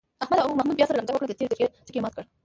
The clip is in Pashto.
احمد او محمود بیا سره لانجه وکړه، د تېرې جرگې ټکی یې مات کړ.